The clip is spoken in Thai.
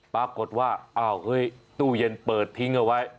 ปรากฏว่าอ้าวเฮ้ยตู้เย็นเปิดทิ้งเอาไว้